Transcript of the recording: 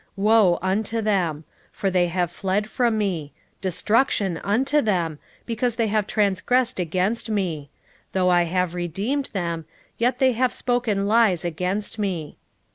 7:13 Woe unto them! for they have fled from me: destruction unto them! because they have transgressed against me: though I have redeemed them, yet they have spoken lies against me.